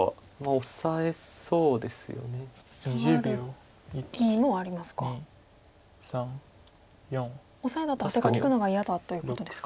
オサエだとアテが利くのが嫌だということですか。